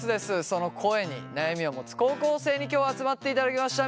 その声に悩みを持つ高校生に今日は集まっていただきました。